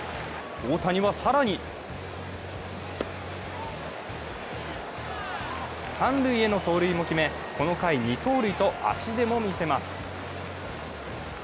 大谷は、更に三塁への盗塁も決め、この回２盗塁と足でも見せます。